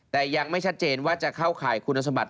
แต่ยังไม่ชัดเจนว่าจะเข้าข่ายคุณสมบัติ